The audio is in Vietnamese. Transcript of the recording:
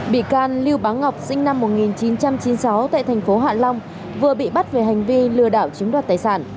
bị can lưu báo ngọc sinh năm một nghìn chín trăm chín mươi sáu tại thành phố hạ long vừa bị bắt về hành vi lừa đảo chiếm đoạt tài sản